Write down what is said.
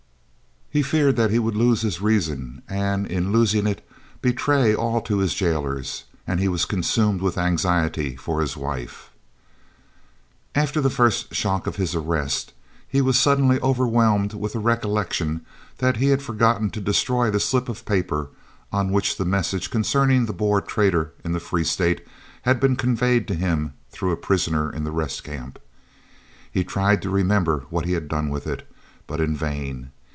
He feared that he would lose his reason and, in losing it, betray all to his jailers, and he was consumed with anxiety for his wife. After the first shock of his arrest, he was suddenly overwhelmed with the recollection that he had forgotten to destroy the slip of paper on which the message concerning the Boer traitor in the Free State had been conveyed to him through a prisoner in the Rest Camp. He tried to remember what he had done with it, but in vain.